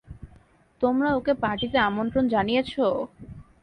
তোমরা ওকে পার্টিতে আমন্ত্রণ জানিয়েছো?